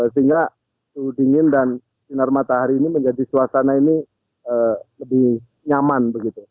sehingga suhu dingin dan sinar matahari ini menjadi suasana ini lebih nyaman begitu